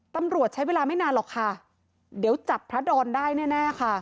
ตำรวจใช้เวลาไม่นานหรอกค่ะเดี๋ยวจับพระดอนได้แน่แน่ค่ะ